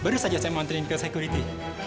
baru saja saya mau nontonin ke security